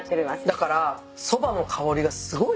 だからそばの香りがすごいんですよ。